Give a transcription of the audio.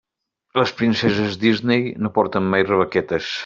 Les princeses Disney no porten mai rebequetes.